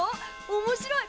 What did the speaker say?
おもしろい！